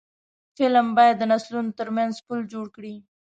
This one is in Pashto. فلم باید د نسلونو ترمنځ پل جوړ کړي